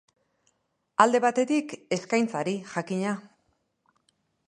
Alde batetik, eskaintzari, jakina.